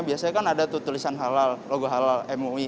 biasanya kan ada tuh tulisan halal logo halal mui